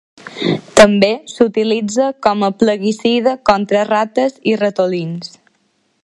També s'utilitza com a plaguicida contra rates i ratolins.